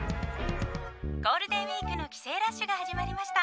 ゴールデンウィークの帰省ラッシュが始まりました。